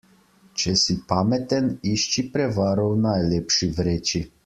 Če si pameten, išči prevaro v najlepši vreči.